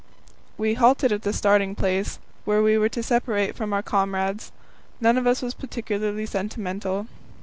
We halted at the starting place, where we were to separate from our comrades. None of us was particularly sentimental.